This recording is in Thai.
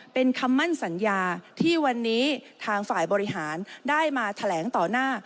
เป็นคำมั่นสัญญาที่วันนี้ทางฝ่ายบริหารได้มาแถลงต่อหน้า